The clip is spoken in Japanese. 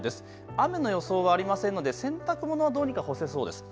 雨の予想はありませんので洗濯物どうにか干せそうです。